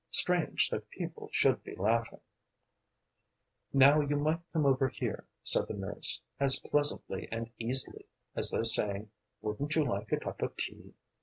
Strange that people should be laughing! "Now you might come over here," said the nurse, as pleasantly and easily as though saying, "Wouldn't you like a cup of tea?"